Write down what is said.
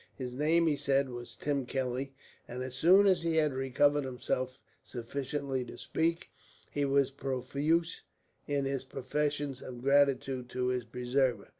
His name, he said, was Tim Kelly, and as soon as he had recovered himself sufficiently to speak, he was profuse in his professions of gratitude to his preserver.